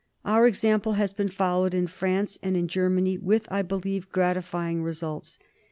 Our example has been followed in France and in Germany with, I believe, gratifying results.